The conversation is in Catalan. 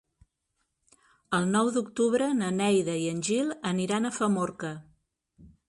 El nou d'octubre na Neida i en Gil aniran a Famorca.